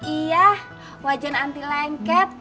iya wajan anti lengket